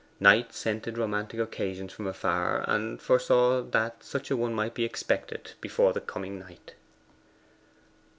Knight scented romantic occasions from afar, and foresaw that such a one might be expected before the coming night.